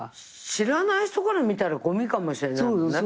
知らない人から見たらごみかもしれないもんね。